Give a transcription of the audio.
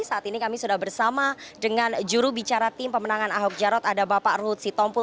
saat ini kami sudah bersama dengan jurubicara tim pemenangan ahok jarot ada bapak ruhut sitompul